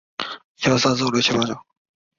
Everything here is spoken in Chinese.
倪氏碘泡虫为碘泡科碘泡虫属的动物。